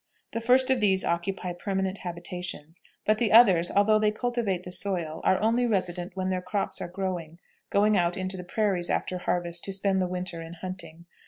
The first of these occupy permanent habitations, but the others, although they cultivate the soil, are only resident while their crops are growing, going out into the prairies after harvest to spend the winter in hunting.